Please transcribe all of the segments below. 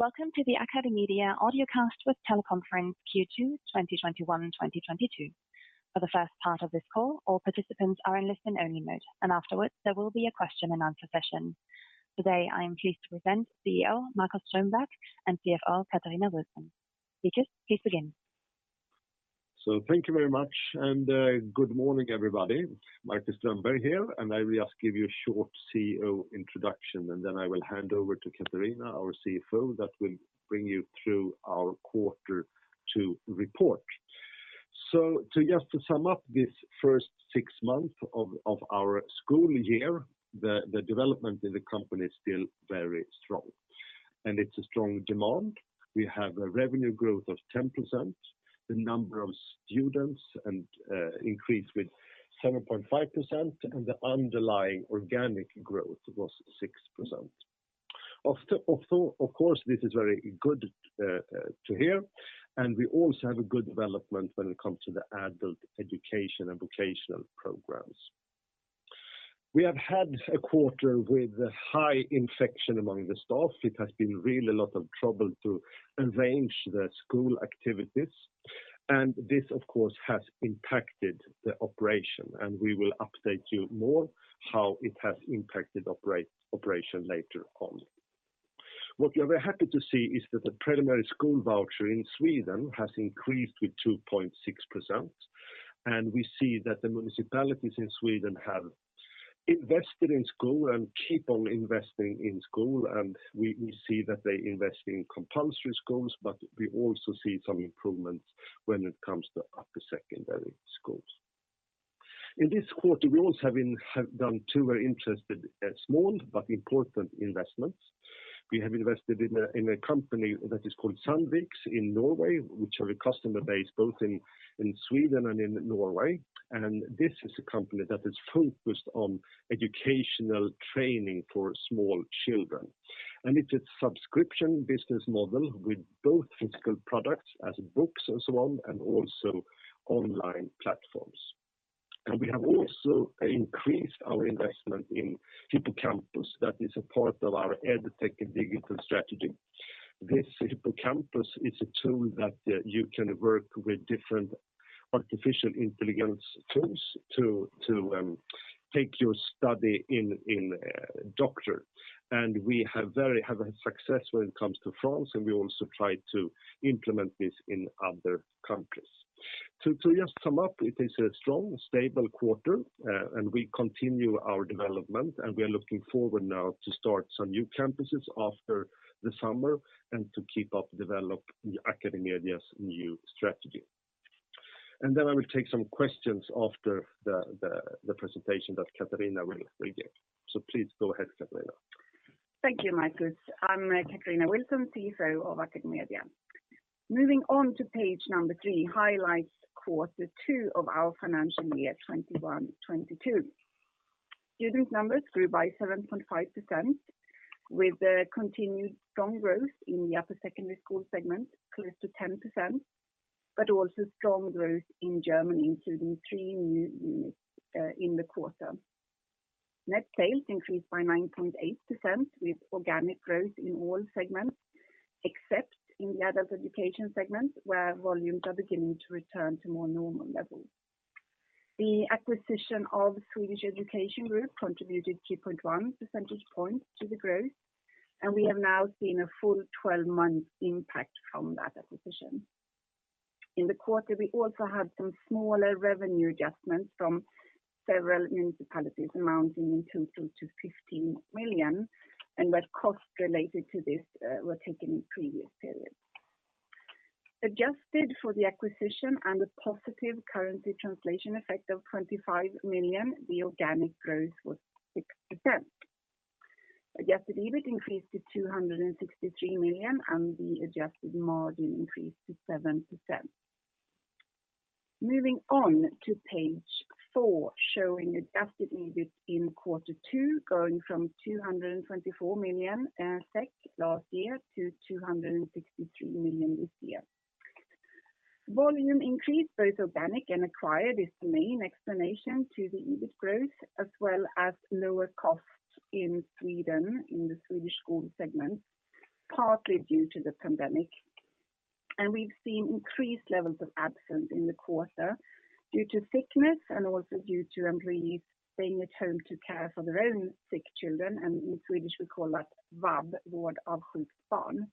Welcome to the AcadeMedia Audiocast with Teleconference Q2 2021/2022. For the first part of this call, all participants are in listen-only mode, and afterwards there will be a question and answer session. Today, I am pleased to present CEO Marcus Strömberg and CFO Katarina Wilson. Speakers, please begin. Thank you very much, and, good morning, everybody. Marcus Strömberg here, and I will just give you a short CEO introduction, and then I will hand over to Katarina, our CFO, that will bring you through our quarter two report. Just to sum up this first six months of our school year, the development in the company is still very strong, and it's a strong demand. We have a revenue growth of 10%, the number of students and increased with 7.5%, and the underlying organic growth was six percent. Of course, this is very good to hear, and we also have a good development when it comes to the adult education and vocational programs. We have had a quarter with high infection among the staff. It has been really a lot of trouble to arrange the school activities. This, of course, has impacted the operation, and we will update you more how it has impacted operation later on. What we're very happy to see, is that the primary school voucher in Sweden, has increased with 2.6%. We see that the municipalities in Sweden have invested in school, and keep on investing in school. We see that they invest in compulsory schools, but we also see some improvements when it comes to upper secondary schools. In this quarter, we also have done two very interesting, small but important investments. We have invested in a company that is called Sandviks AS in Norway, which are a customer base both in Sweden and in Norway. This is a company that is focused on educational training for small children. It's a subscription business model with both physical products as books and so on, and also online platforms. We have also increased our investment in Hypocampus. That is a part of our ed-tech and digital strategy. This Hypocampus, is a tool that you can work with different artificial intelligence tools to take your study in doctorate. We have a success when it comes to France, and we also try to implement this in other countries. To just sum up, it is a strong, stable quarter, and we continue our development, and we are looking forward now to start some new campuses after the summer and to keep developing AcadeMedia's new strategy. I will take some questions after the presentation that Katarina will give. Please go ahead, Katarina. Thank you, Marcus. I'm Katarina Wilson, CFO of AcadeMedia. Moving on to page three, highlights quarter two of our financial year 2021/2022. Student numbers grew by 7.5%, with the continued strong growth in the upper secondary school segment, close to 10%, but also strong growth in Germany, including three new units in the quarter. Net sales, increased by 9.8%, with organic growth in all segments, except in the adult education segment, where volumes are beginning to return to more normal levels. The acquisition of Swedish Education Group contributed 2.1 percentage points to the growth, and we have now seen a full 12-month impact from that acquisition. In the quarter, we also had some smaller revenue adjustments from several municipalities, amounting in total to 15 million, and where costs related to this were taken in previous periods. Adjusted for the acquisition and the positive currency translation effect of 25 million, the organic growth was 6%. Adjusted EBIT increased to 263 million, and the adjusted margin increased to 7%. Moving on to page four, showing adjusted EBIT in quarter two, going from 224 million SEK last year to 263 million this year. Volume increase, both organic and acquired, is the main explanation to the EBIT growth, as well as lower costs in Sweden in the Swedish school segment, partly due to the pandemic. We've seen increased levels of absence in the quarter due to sickness, and also due to employees staying at home to care for their own sick children. In Swedish, we call that VAB, Vård av sjukt barn.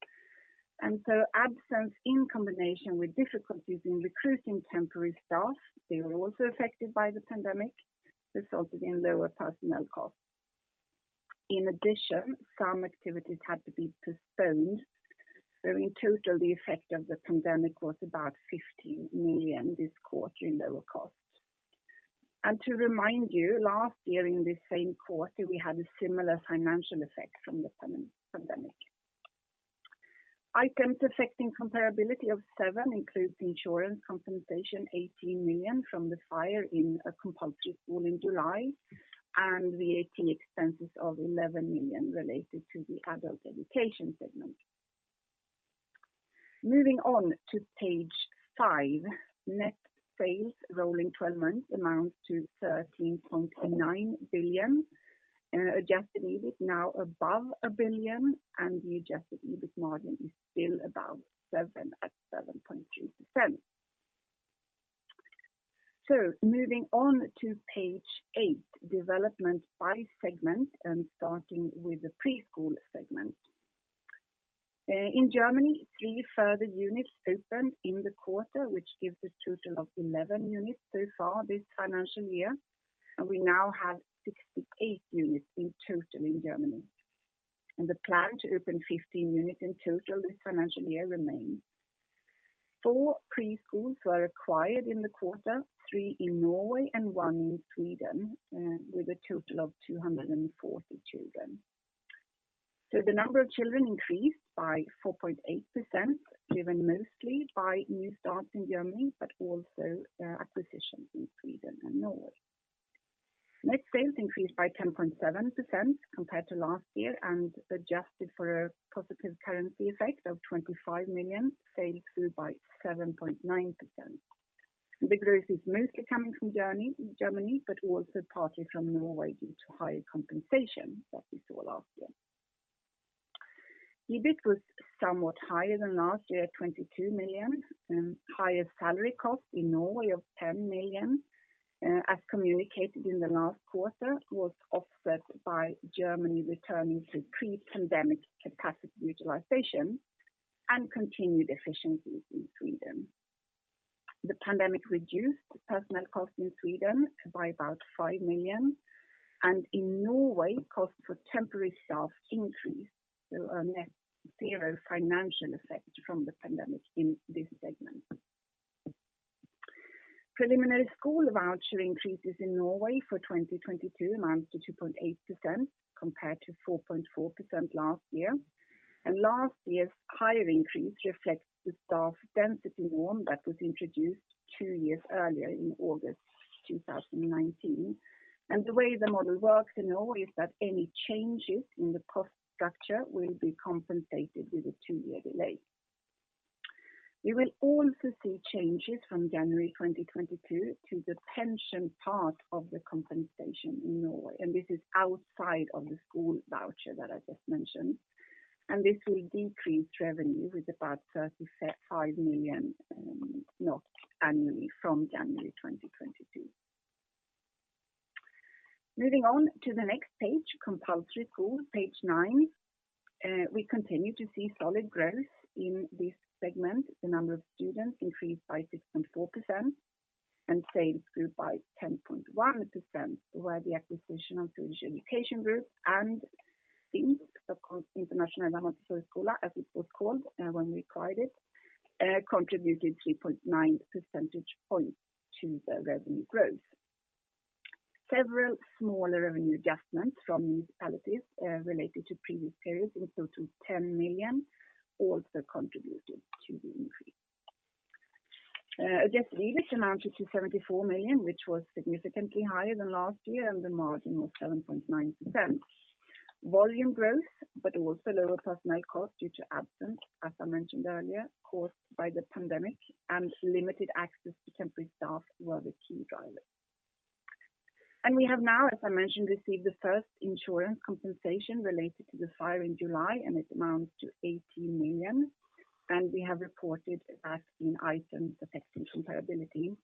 Absence in combination with difficulties in recruiting temporary staff, they were also affected by the pandemic, resulted in lower personnel costs. In addition, some activities had to be postponed. In total, the effect of the pandemic was about 50 million this quarter in lower costs. To remind you, last year in this same quarter, we had a similar financial effect from the pandemic. Items affecting comparability of 7 million includes insurance compensation 18 million from the fire in a compulsory school in July and VAT expenses of 11 million related to the adult education segment. Moving on to page 5. Net sales rolling 12 months amounts to 13.9 billion. Adjusted EBIT now above 1 billion and the adjusted EBIT margin is still above seven at 7.2%. Moving on to page eight, development by segment and starting with the preschool segment. In Germany, three further units opened in the quarter, which gives a total of 11 units so far this financial year, and we now have 68 units in total in Germany. The plan to open 15 units in total this financial year remains. Four preschools were acquired in the quarter, three in Norway and one in Sweden, with a total of 240 children. The number of children increased by 4.8%, driven mostly by new starts in Germany, but also, acquisitions in Sweden and Norway. Net sales increased by 10.7% compared to last year, and adjusted for a positive currency effect of 25 million, sales grew by 7.9%. The growth is mostly coming from Germany, but also partly from Norway due to higher compensation that we saw last year. EBIT was somewhat higher than last year at 22 million, higher salary costs in Norway of 10 million, as communicated in the last quarter, was offset by Germany returning to pre-pandemic capacity utilization and continued efficiencies in Sweden. The pandemic reduced personnel costs in Sweden by about 5 million, and in Norway, costs for temporary staff increased. A net zero financial effect from the pandemic in this segment. Preliminary school voucher increases in Norway for 2022 amounts to 2.8% compared to 4.4% last year. Last year's higher increase reflects the staff density norm that was introduced two years earlier in August 2019. The way the model works in Norway is that any changes in the cost structure will be compensated with a two-year delay. We will also see changes from January 2022, to the pension part of the compensation in Norway, and this is outside of the school voucher that I just mentioned. This will decrease revenue with about 35 million annually from January 2022. Moving on to the next page, compulsory school, page nine. We continue to see solid growth in this segment. The number of students increased by 6.4%, and sales grew by 10.1%, where the acquisition of Swedish Education Group and STIMS, Stockholms Internationella Montessoriskola, as it was called, when we acquired it, contributed 3.9 percentage points to the revenue growth. Several smaller revenue adjustments from municipalities, related to previous periods in total 10 million also contributed to the increase. Adjusted EBIT amounted to 74 million, which was significantly higher than last year, and the margin was 7.9%. Volume growth, but also lower personnel costs, due to absence, as I mentioned earlier, caused by the pandemic and limited access to temporary staff were the key drivers. We have now, as I mentioned, received the first insurance compensation related to the fire in July, and it amounts to 18 million. We have reported that in items affecting comparability.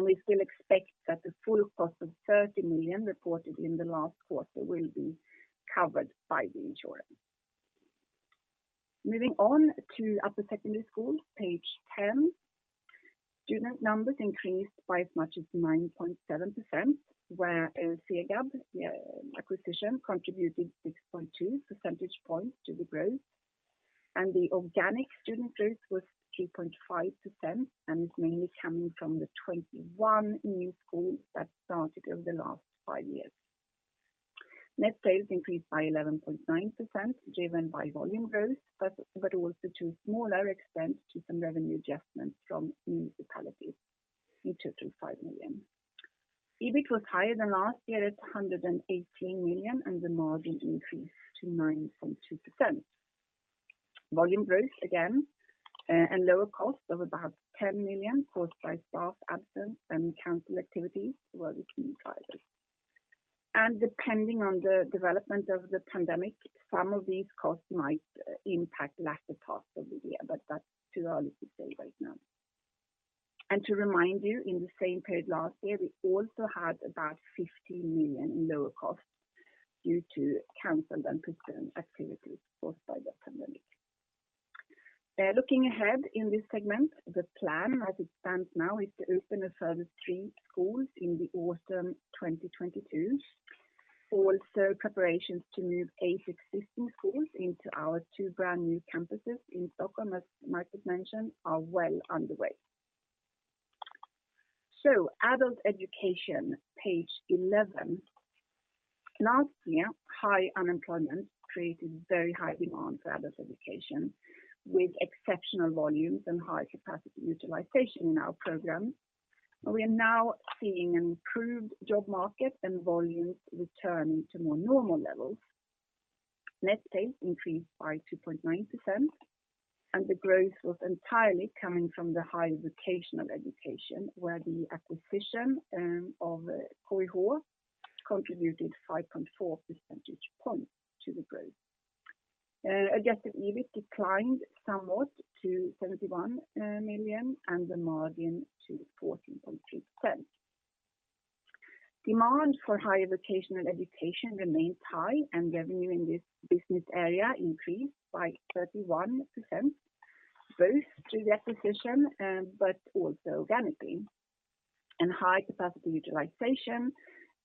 We still expect that the full cost of 30 million reported in the last quarter will be covered by the insurance. Moving on to upper secondary school, page 10. Student numbers increased by as much as 9.7%, where SegAB acquisition contributed 6.2 percentage points to the growth. The organic student growth was 3.5% and mainly coming from the 21 new schools that started over the last five years. Net sales increased by 11.9%, driven by volume growth, but also to a smaller extent to some revenue adjustments from municipalities due to 5 million. EBIT was higher than last year at 118 million, and the margin increased to 9.2%. Volume growth again, and lower costs of about 10 million caused by staff absence and canceled activities were the key drivers. Depending on the development of the pandemic, some of these costs might impact latter part of the year, but that's too early to say right now. To remind you, in the same period last year, we also had about 15 million in lower costs due to canceled and postponed activities caused by the pandemic. Looking ahead in this segment, the plan as it stands now is to open a further three schools in autumn 2022. Also, preparations to move eight existing schools into our two brand new campuses in Stockholm, as Marcus mentioned, are well underway. Adult education, page 11. Last year, high unemployment created very high demand for adult education with exceptional volumes and high capacity utilization in our programs. We are now seeing an improved job market and volumes returning to more normal levels. Net sales increased by 2.9% and the growth was entirely coming from the higher vocational education, where the acquisition of Koho contributed 5.4 percentage points to the growth. Adjusted EBIT declined somewhat to 71 million and the margin to 14.3%. Demand for higher vocational education remains high, and revenue in this business area increased by 31%, both through acquisition, but also organically. High capacity utilization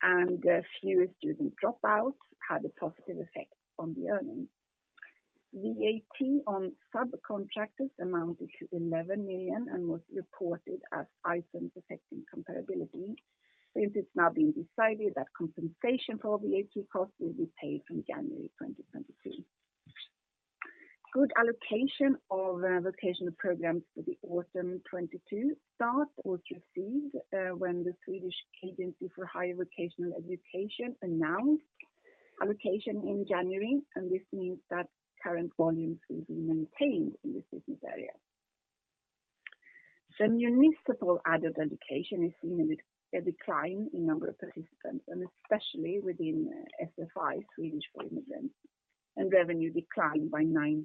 and fewer student dropouts had a positive effect on the earnings. VAT on subcontractors amounted to 11 million and was reported as items affecting comparability, since it's now been decided that compensation for VAT costs will be paid from January 2022. Good allocation of vocational programs for the autumn 2022, start will proceed when the Swedish National Agency for Higher Vocational Education announced allocation in January, and this means that current volumes will be maintained in this business area. The municipal adult education has seen a decline in number of participants, and especially within SFI, Swedish for immigrants, and revenue declined by 9%,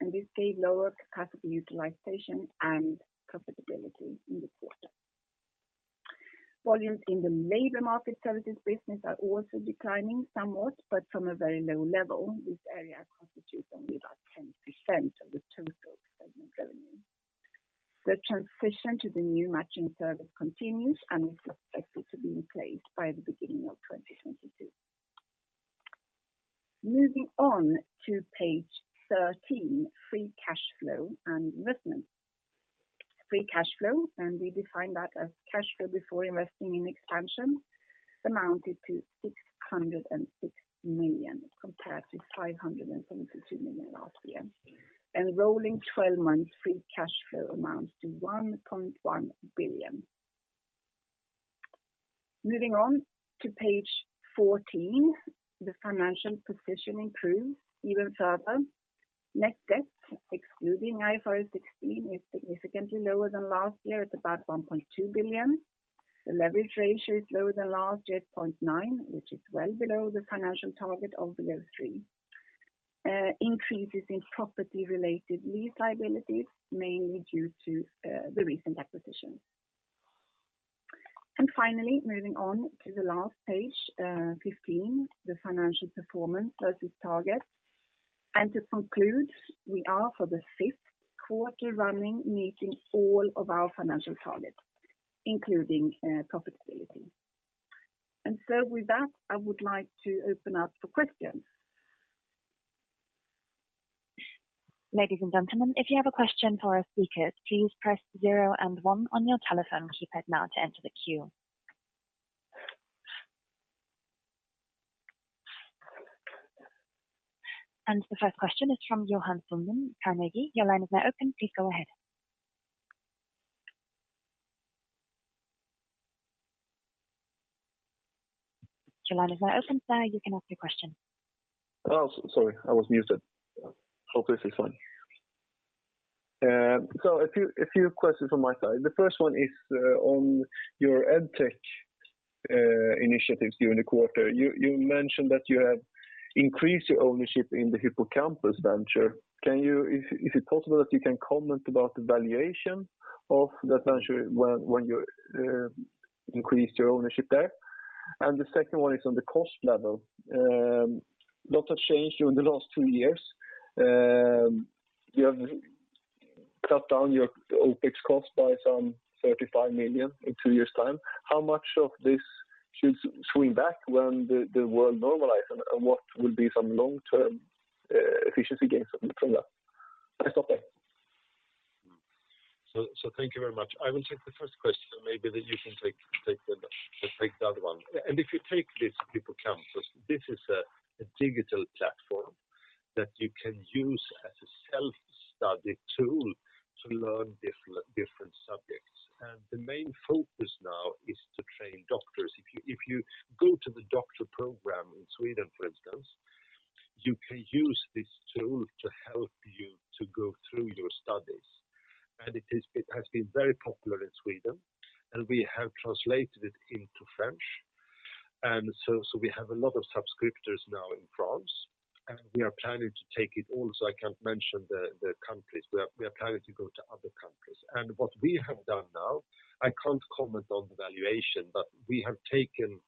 and this gave lower capacity utilization and profitability in the quarter. Volumes in the labor market services business are also declining somewhat but from a very low level. This area constitutes only about 10% of the total segment revenue. The transition to the new matching service continues, and is expected to be in place by the beginning of 2022. Moving on to page 13, free cash flow and investment. Free cash flow, and we define that as cash flow before investing in expansions, amounted to 606 million compared to 572 million last year. Rolling twelve months free cash flow amounts to 1.1 billion. Moving on to page 14, the financial position improved even further. Net debt, excluding IFRS 16, is significantly lower than last year at about 1.2 billion. The leverage ratio is lower than last year at 0.9, which is well below the financial target of below three. Increases in property-related lease liabilities, mainly due to the recent acquisition. Finally, moving on to the last page, 15, the financial performance versus target. To conclude, we are for the fifth quarter running, meeting all of our financial targets, including profitability. With that, I would like to open up for questions. Ladies and gentlemen, if you have a question for our speakers, please press 0 and 1 on your telephone keypad now to enter the queue. The first question is from Johan Sundén, Carnegie. Your line is now open. Please go ahead. Your line is now open, sir. You can ask your question. Sorry, I was muted. Hope this is on. So a few questions on my side. The first one is on, your EdTech initiatives during the quarter. You mentioned that you have increased your ownership in the Hypocampus venture. Can you, if it's possible that you can comment about the valuation of that venture when you increased your ownership there? The second one is on the cost level. A lot has changed during the last two years. You have cut down your OPEX cost by some 35 million in two years time. How much of this should swing back when the world normalize and what will be some long-term efficiency gains from that? I stop there. Thank you very much. I will take the first question. Maybe then you can take the other one. If you take this Hypocampus, this is a digital platform that you can use as a self-study tool to learn different subjects. The main focus now is to train doctors. If you go to the doctor program in Sweden, for instance, you can use this tool to help you to go through your studies. It has been very popular in Sweden, and we have translated it into French. We have a lot of subscribers now in France, and we are planning to take it also. I can't mention the countries, but we are planning to go to other countries. What we have done now, I can't comment on the valuation, but we have taken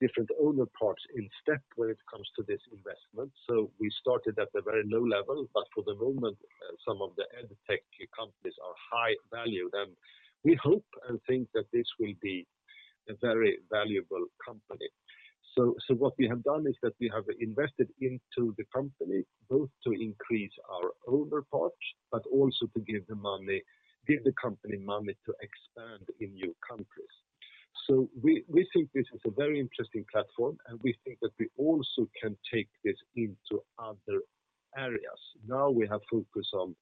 different owner parts in step when it comes to this investment. We started at a very low level, but for the moment, some of the EdTech companies are high value, and we hope and think that this will be a very valuable company. What we have done, is that we have invested into the company both to increase our owner parts, but also to give the money, give the company money to expand in new countries. We think this is a very interesting platform, and we think that we also can take this into other areas. Now we have focus on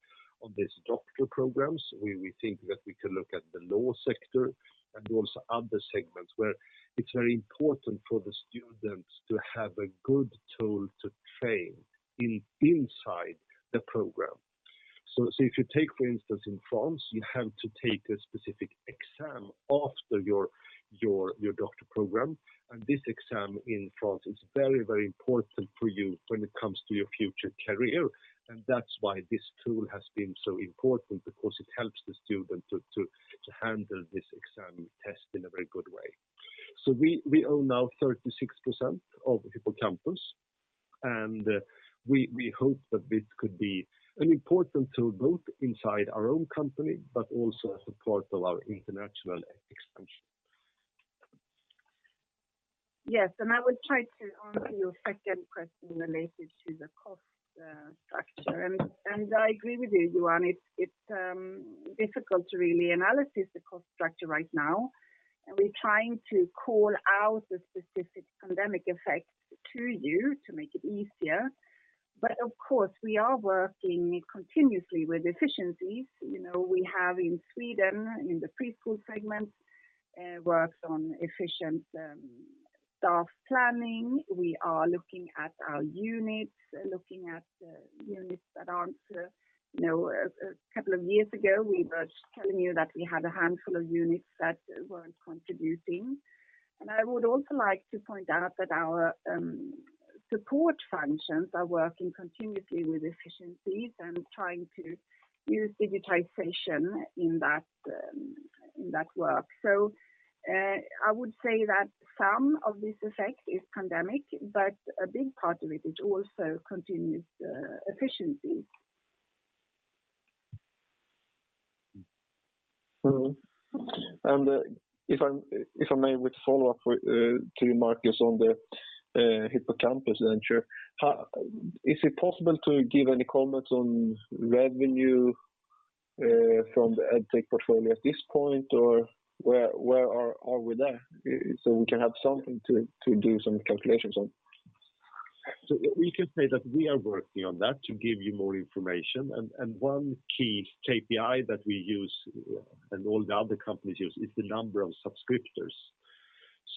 these doctoral programs. We think that we can look at the law sector, and also other segments where it's very important for the students to have a good tool to train inside the program. If you take for instance in France, you have to take a specific exam after your doctor program, and this exam in France is very, very important for you when it comes to your future career. That's why this tool has been so important because it helps the student to handle this exam test in a very good way. We own now 36% of Hypocampus, and we hope that this could be an important tool both inside our own company but also as a part of our international e-expansion. Yes. I will try to answer your second question related to the cost structure. I agree with you, Johan. It's difficult to really analyze the cost structure right now. We're trying to call out the specific pandemic effects to you to make it easier. Of course, we are working continuously with efficiencies. We have in Sweden, in the preschool segment, work on efficient staff planning. We are looking at our units that aren't contributing. A couple of years ago, we were telling you that we had a handful of units that weren't contributing. I would also like to point out that our support functions are working continuously with efficiencies and trying to use digitization in that work. I would say that some of this effect is pandemic, but a big part of it is also continuous efficiency. If I may, with follow-up to you Marcus, on the Hypocampus venture. Is it possible to give any comments on revenue from the EdTech portfolio at this point, or where are we there? We can have something to do some calculations on. We can say that we are working on that to give you more information. One key KPI that we use and all the other companies use is the number of subscribers.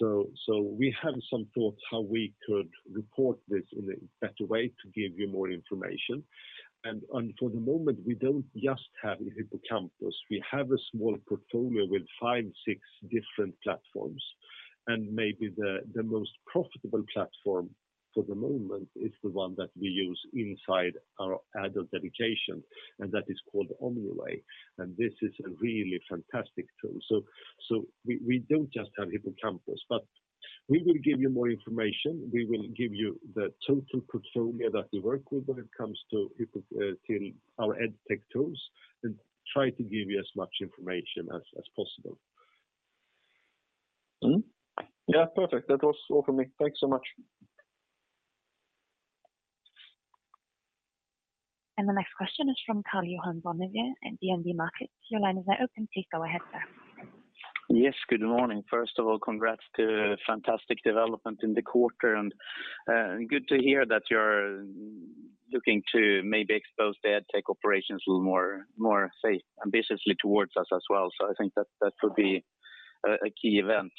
We have some thoughts how we could report this in a better way to give you more information. For the moment, we don't just have Hypocampus. We have a small portfolio with five, six different platforms. Maybe the most profitable platform for the moment is the one that we use inside our adult education, and that is called Omniway. This is a really fantastic tool. We don't just have Hypocampus, but we will give you more information. We will give you the total portfolio that we work with when it comes to our EdTech tools, and try to give you as much information as possible. Mm-hmm. Yeah, perfect. That was all for me. Thanks so much. The next question is from Karl-Johan Bonnevier at DNB Markets. Your line is now open. Please go ahead, sir. Yes. Good morning. First of all, congrats to fantastic development in the quarter. Good to hear that you're looking to maybe expose the EdTech operations a little more, say, ambitiously towards us as well. I think that would be a key event.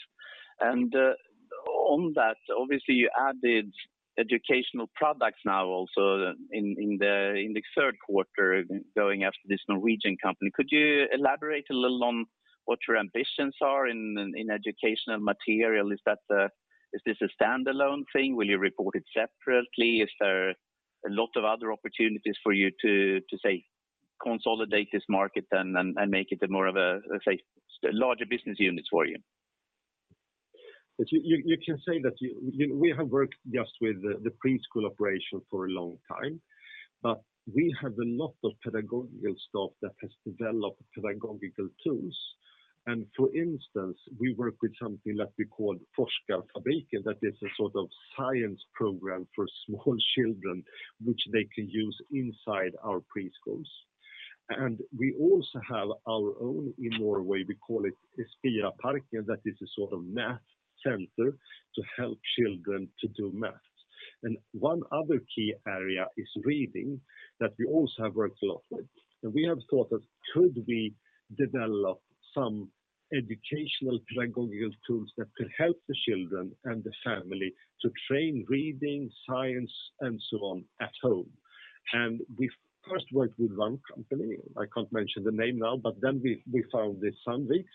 On that, obviously, you added educational products now also in the third quarter going after this Norwegian company. Could you elaborate a little on what your ambitions are in educational material? Is this a standalone thing? Will you report it separately? Is there a lot of other opportunities for you to say, consolidate this market and then make it more of a larger business unit for you? You can say that we have worked just with the preschool operation for a long time, but we have a lot of pedagogical staff that has developed pedagogical tools. For instance, we work with something that we call Forskarfabriken, that is a sort of science program for small children, which they can use inside our preschools. We also have our own in Norway, we call it Espiria-parken We first worked with one company, I can't mention the name now, but then we found this Sandviks.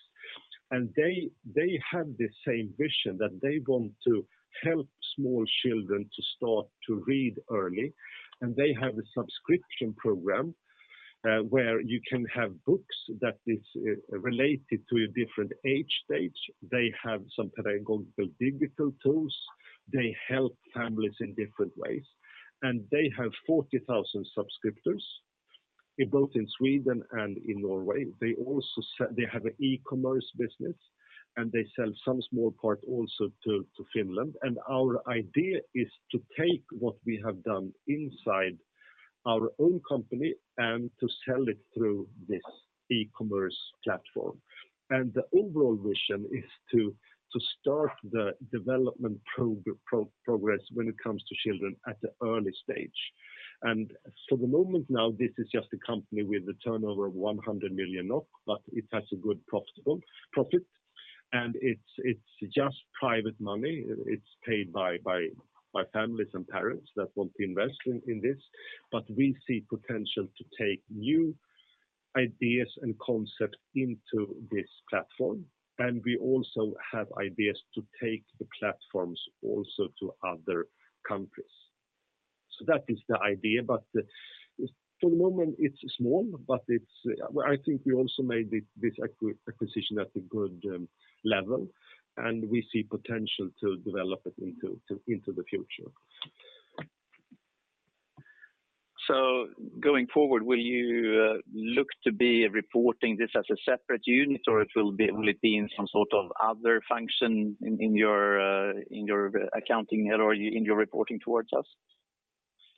They have the same vision that they want to help small children to start to read early. They have a subscription program, where you can have books that is related to a different age stage. They have some pedagogical digital tools. They help families in different ways. They have 40,000 subscribers, both in Sweden and in Norway. They also have an e-commerce business, and they sell some small part also to Finland. Our idea is to take what we have done inside our own company and to sell it through this e-commerce platform. The overall vision is to start the development progress when it comes to children at the early stage. For the moment now, this is just a company with a turnover of 100 million NOK, but it has a good profitable profit. It's just private money. It's paid by families and parents that want to invest in this. We see potential to take new ideas and concepts into this platform. We also have ideas to take the platforms also to other countries. That is the idea. For the moment, it's small, but it's. I think we also made this acquisition at a good level, and we see potential to develop it into the future. Going forward, will you look to be reporting this as a separate unit, or will it be in some sort of other function in your accounting or in your reporting towards us?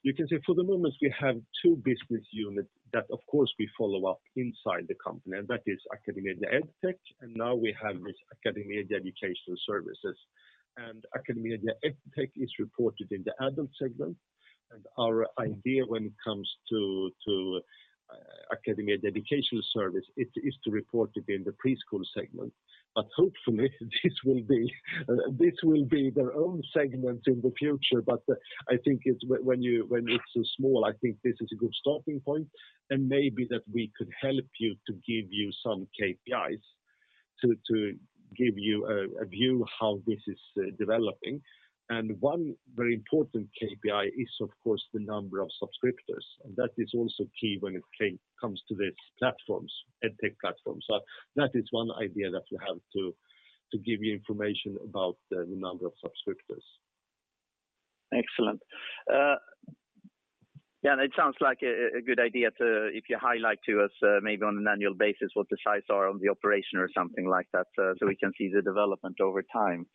You can say for the moment we have two business units that of course we follow up inside the company, and that is AcadeMedia EdTech, and now we have this AcadeMedia Educational Services. AcadeMedia EdTech is reported in the adult segment. Our idea when it comes to AcadeMedia Educational Services, it is to report it in the preschool segment. Hopefully, this will be their own segment in the future. I think when it's so small, I think this is a good starting point. Maybe we could help you to give you some KPIs to give you a view how this is developing. One very important KPI is, of course, the number of subscribers. That is also key when it comes to these platforms, EdTech platforms. That is one idea that we have to give you information about the number of subscribers. Excellent. It sounds like a good idea if you highlight to us, maybe on an annual basis what the size are of the operation or something like that, so we can see the development over time.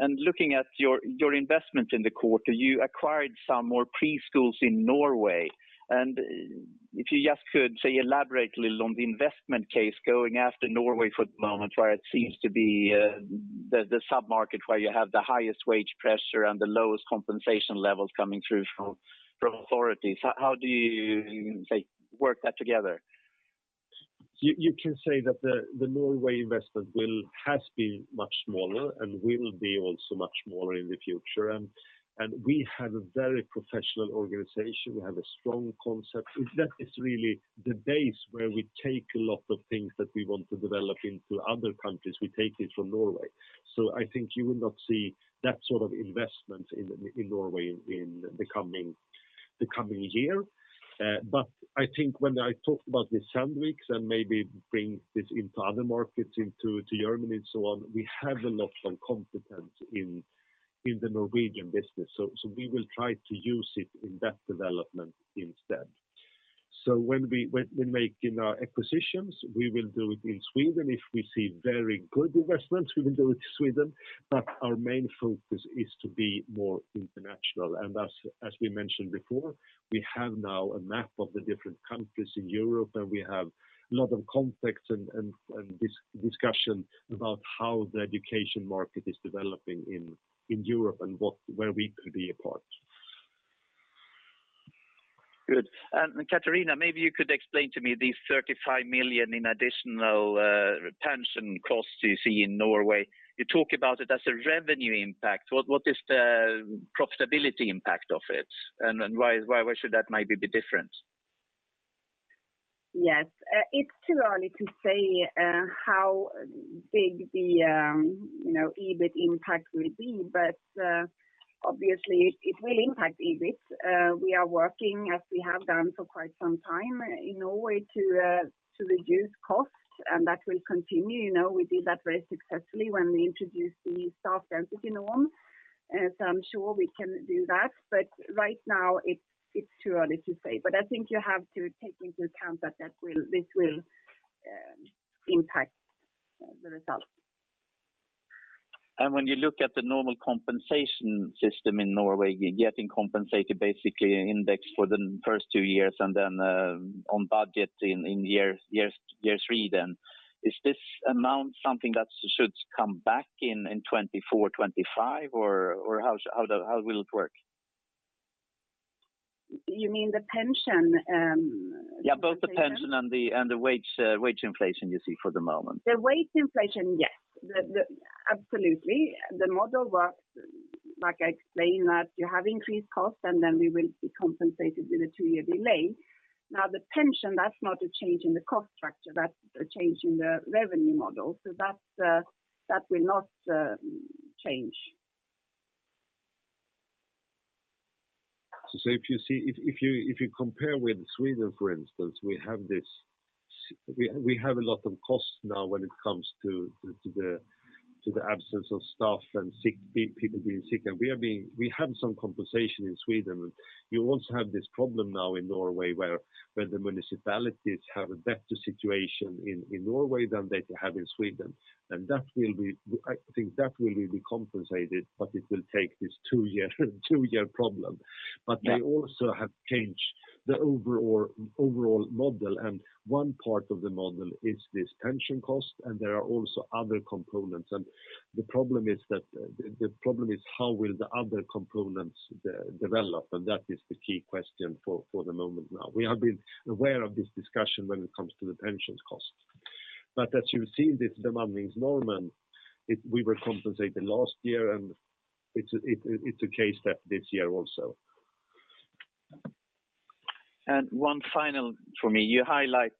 Looking at your investment in the quarter, you acquired some more preschools in Norway. If you just could elaborate a little on the investment case going after Norway for the moment, where it seems to be the sub-market where you have the highest wage pressure and the lowest compensation levels coming through from authorities. How do you work that together? You can say that the Norway investment has been much smaller and will be also much smaller in the future. We have a very professional organization. We have a strong concept. That is really the base where we take a lot of things that we want to develop into other countries. We take it from Norway. I think you will not see that sort of investment in Norway in the coming year. I think when I talk about the Sandviks and maybe bring this into other markets, into Germany and so on, we have a lot of competence in the Norwegian business. We will try to use it in that development instead. When we make, you know, acquisitions, we will do it in Sweden. If we see very good investments, we will do it in Sweden. Our main focus is to be more international. As we mentioned before, we have now a map of the different countries in Europe, and we have a lot of context and discussion about how the education market is developing in Europe and where we could be a part. Good. Katarina, maybe you could explain to me the 35 million in additional pension costs you see in Norway. You talk about it as a revenue impact. What is the profitability impact of it? Why should that maybe be different? Yes. It's too early to say how big the you know EBIT impact will be, but obviously it will impact EBIT. We are working as we have done for quite some time in Norway to reduce costs, and that will continue. You know, we did that very successfully when we introduced the staff density norm. I'm sure we can do that, but right now it's too early to say. I think you have to take into account that this will impact the results. When you look at the normal compensation system in Norway, getting compensated basically indexed for the first two years and then on budget in year three. Is this amount something that should come back in 2024, 2025 or how will it work? You mean the pension? Yeah, both the pension and the wage inflation you see for the moment. The wage inflation, yes. Absolutely. The model works like I explained, that you have increased costs and then we will be compensated with a two-year delay. Now, the pension, that's not a change in the cost structure, that's a change in the revenue model. That will not change. If you compare with Sweden, for instance, we have a lot of costs now when it comes to the absence of staff and sick people being sick. We have some compensation in Sweden. You also have this problem now in Norway where the municipalities have a better situation in Norway than they have in Sweden. I think that will be compensated, but it will take this two-year problem. They also have changed the overall model. One part of the model is this pension cost, and there are also other components. The problem is how will the other components develop. That is the key question for the moment now. We have been aware of this discussion when it comes to the pensions cost. As you see, this demand is normal. We were compensated last year, and it's a case that this year also. One final for me. You highlight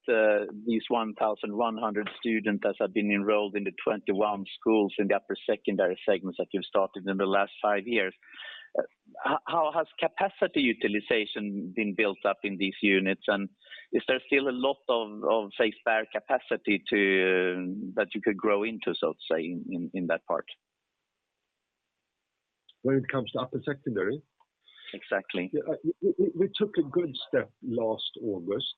these 1,100 students that have been enrolled in the 21 schools in the upper secondary segments that you've started in the last five years. How has capacity utilization been built up in these units? Is there still a lot of, say, spare capacity that you could grow into, so to say, in that part? When it comes to upper secondary? Exactly. Yeah. We took a good step last August.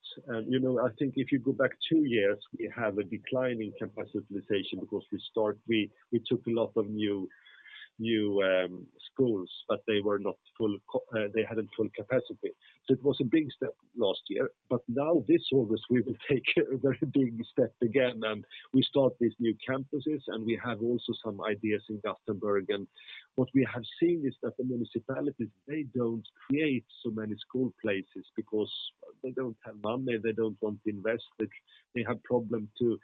You know, I think if you go back two years, we have a decline in capacity utilization because we took a lot of new schools, but they were not full, they hadn't full capacity. It was a big step last year. Now this August, we will take a very big step again, and we start these new campuses, and we have also some ideas in Gothenburg. What we have seen is that the municipalities, they don't create so many school places because they don't have money, they don't want to invest, they have problem to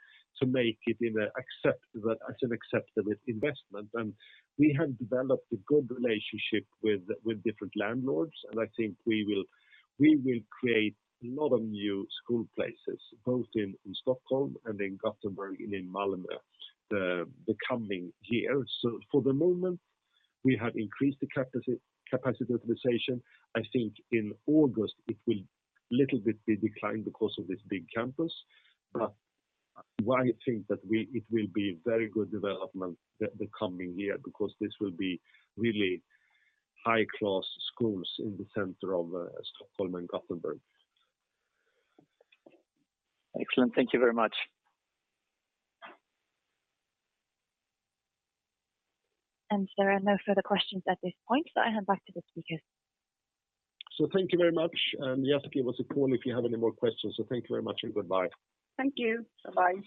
make it as an acceptable investment. We have developed a good relationship with different landlords, and I think we will create a lot of new school places both in Stockholm and in Gothenburg and in Malmö the coming years. For the moment, we have increased the capacity utilization. I think in August it will little bit be declined because of this big campus. I think that it will be very good development the coming year because this will be really high-class schools in the center of Stockholm and Gothenburg. Excellent. Thank you very much. There are no further questions at this point, so I hand back to the speakers. Thank you very much. Yes, give us a call if you have any more questions. Thank you very much and goodbye. Thank you. Bye-bye.